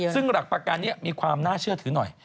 ซึ่งหลักประกันนี้มีความน่าเชื่อถือหน่อย